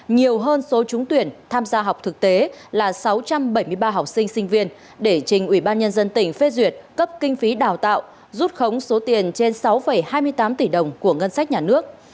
nhiều hơn số trúng tuyển tham gia học thực tế là sáu trăm bảy mươi ba học sinh sinh viên để trình ủy ban nhân dân tỉnh phê duyệt cấp kinh phí đào tạo rút khống số tiền trên sáu hai mươi tám tỷ đồng của ngân sách nhà nước